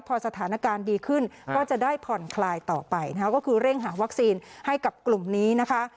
พอสถานการณ์ดีขึ้นก็จะได้ผ่อนคลายต่อไปนะคะก็คือเร่งหาวัคซีนให้กับกลุ่มนี้นะคะ